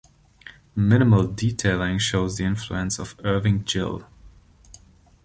The "minimal" detailing shows the influence of Irving Gill.